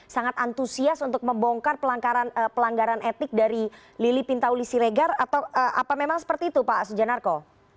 sangat antusias untuk membongkar pelanggaran etik dari lili pintauli siregar atau apa memang seperti itu pak sujanarko